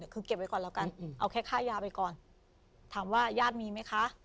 คือเก็บไว้ก่อนแล้วกันเอาแค่ค่ายาไปก่อนถามว่าญาติมีไหมคะ